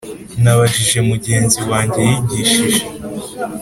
Nabajije mugenzi wanjye yigishije